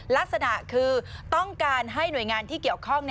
ลักษณะคือต้องการให้หน่วยงานที่เกี่ยวข้อง